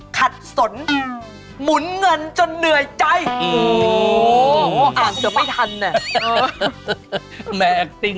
ขัดสน